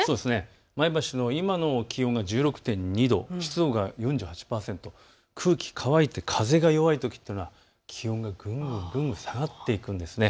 前橋の今の気温が１６．２度、湿度が４８％、空気、乾いて風が弱いときというのは気温がぐんぐん下がっていくんですね。